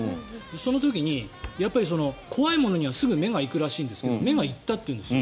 その時に、やっぱり怖いものにはすぐに目が行くらしいんですけど目が行ったというんです。